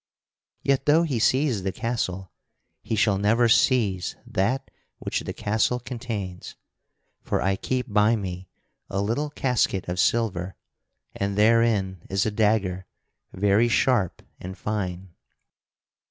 Yet though he seize the castle, he shall never seize that which the castle contains. For I keep by me a little casket of silver, and therein is a dagger, very sharp and fine.